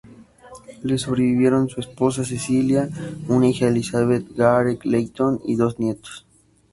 Le sobrevivieron su esposa, Cecilia, una hija, Elizabeth Garrett Layton, y dos nietos.